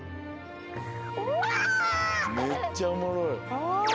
めっちゃおもろい。